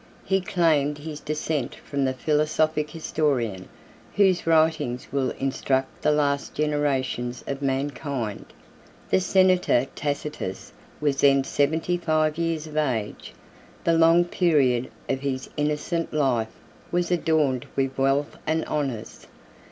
He claimed his descent from the philosophic historian whose writings will instruct the last generations of mankind. 5 The senator Tacitus was then seventy five years of age. 6 The long period of his innocent life was adorned with wealth and honors.